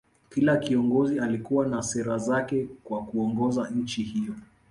Kila kiongozi alikuwa na sera zake kwa kuongoza nchi hiyo